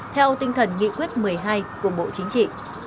theo tinh thần nghị quyết một mươi hai của bộ chính trị